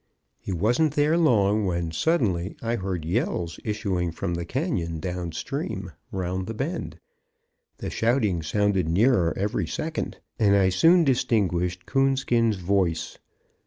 He wasn't there long when, suddenly, I heard yells issuing from the canyon down stream round the bend. The shouting sounded nearer every second, and I soon distinguished Coonskin's voice.